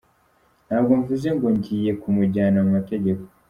Ntabwo mvuze ngo ngiye kumujyana mu mategeko.